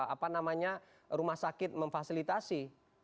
apa namanya rumah sakit memfasilitasi